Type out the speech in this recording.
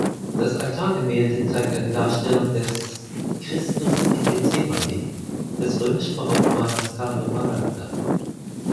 Das Altargemälde zeigt eine Darstellung des "Christus in Gethsemane" des römischen Barockmalers Carlo Maratta.